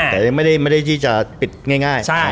แต่ยังไม่ได้ที่จะปิดง่าย